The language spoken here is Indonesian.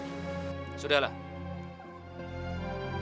kita harus pergi ke rumah kita